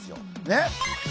ねっ？